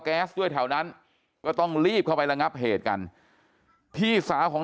แก๊สด้วยแถวนั้นก็ต้องรีบเข้าไประงับเหตุกันพี่สาวของ